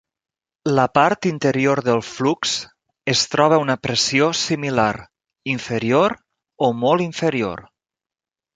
La part interior del flux es troba a una pressió similar, inferior o molt inferior.